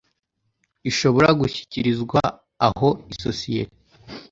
ishobora gushyikirizwa aho isosiyete